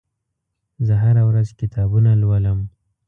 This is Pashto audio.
زه هره ورځ کتابونه لولم.